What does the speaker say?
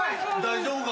大丈夫か？